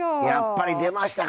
やっぱり出ましたか